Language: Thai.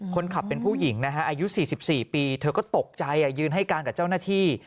คนขับเป็นผู้หญิงนะฮะอายุ๔๔ปีเธอก็ตกใจยืนให้การกับเจ้าหน้าที่